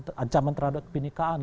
ada persoalan ancaman terhadap kebenekaan